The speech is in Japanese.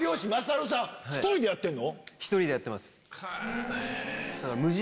１人でやってるの？